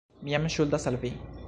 Mi jam ŝuldas al vi.